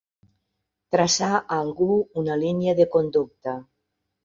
Traçar a algú una línia de conducta.